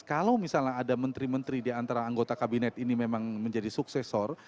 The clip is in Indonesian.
kalau misalnya ada menteri menteri diantara anggota kabinet ini memang menjadi suksesor